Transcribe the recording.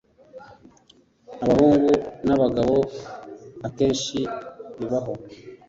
abahungu n'abagabo akenshi bibabaho